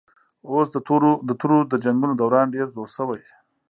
اوس د تورو د جنګونو دوران ډېر زوړ شوی